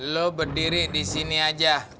lo berdiri disini aja